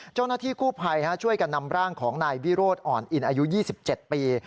เจ้าหน้าที่กู้ภัยช่วยกันนำร่างของนายวิโรธอ่อนอินอายุ๒๗ปี